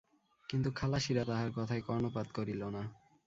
কিন্তু খালাসিরা তাহার কথায় কর্ণপাত করিল না।